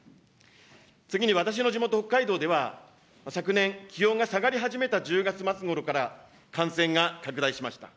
次に、私の地元、北海道では昨年、気温が下がり始めた１０月末ごろから感染が拡大しました。